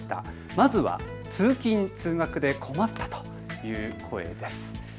まずは通勤通学で困ったという声です。